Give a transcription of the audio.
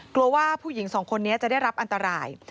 กลัวว่าผู้หญิงสองคนนี้จะได้รับอันตราย